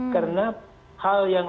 karena hal yang